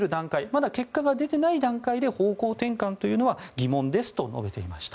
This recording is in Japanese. まだ結果が出ていない段階で方向転換というのは疑問ですと述べていました。